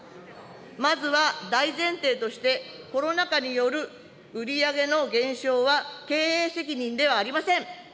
まずは大前提として、コロナ禍による売り上げの減少は経営責任ではありません。